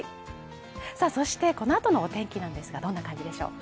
そして、このあとのお天気なんですが、どんな感じでしょうか。